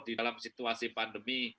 di dalam situasi pandemi